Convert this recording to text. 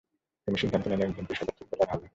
তিনি সিদ্ধান্ত নেন একজন পেশাদার ফুটবলার হবেন।